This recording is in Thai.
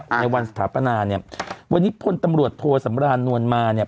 ในวันสถาปนาเนี่ยวันนี้พลตำรวจโทสำรานนวลมาเนี่ย